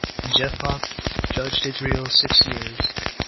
7And Jephthah judged Israel six years.